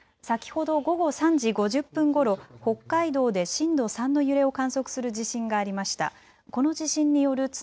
先ほど午後３時５０分ごろ北海道で震度３の揺れを観測する地震がありました。